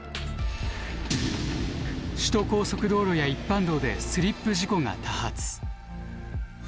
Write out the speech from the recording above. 首都高速道路や一般道でスリップ事故が多発。